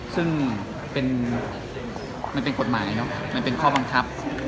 ซึ่งเป็นกฎหมายข้อบังคับ